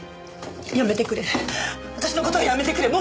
やめてくれ私の事はやめてくれ！